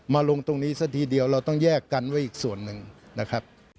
ลงตรงนี้ซะทีเดียวเราต้องแยกกันไว้อีกส่วนหนึ่งนะครับ